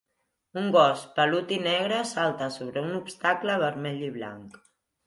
Un gos pelut i negre salta sobre un obstacle vermell i blanc.